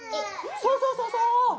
そうそうそうそう！